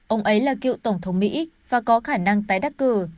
ông ấy là cựu tổng thống mỹ và có khả năng tái đắc cử